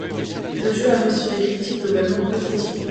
Le jeu a reçu des critiques globalement positives.